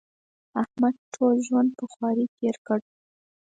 احمد ټول ژوند په خواري تېر کړ.